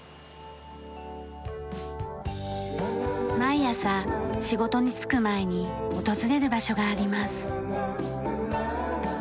毎朝仕事に就く前に訪れる場所があります。